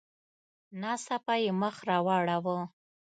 ناڅاپه یې مخ را واړاوه.